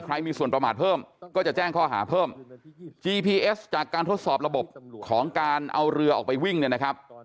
คนของการเอาเรือออกไปวิ่งเนี่ยนะครับ